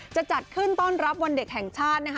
จะจัดขึ้นต้อนรับวันเด็กแห่งชาตินะคะ